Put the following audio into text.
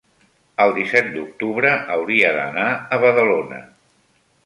el disset d'octubre hauria d'anar a Badalona.